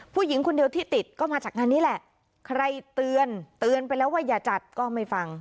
ผู้หญิงคนเดียวที่ติดก็มาจากงานนี้แหละใครเตือนเตือนไปแล้วว่าอย่าจัดก็ไม่ฟัง